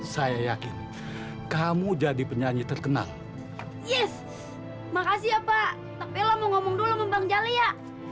saya yakin kamu jadi penyanyi terkenal yes makasih ya pak tapi lo mau ngomong dulu membangun jali ya